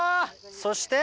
そして？